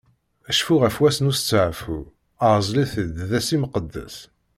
Cfu ɣef wass n usteɛfu, ɛzel-it-id d ass imqeddes.